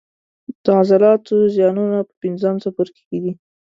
د عضلاتو زیانونه په پنځم څپرکي کې دي.